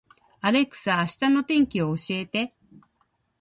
アレクサ、明日の天気を教えて